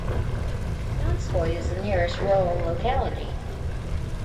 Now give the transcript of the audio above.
Donskoy is the nearest rural locality.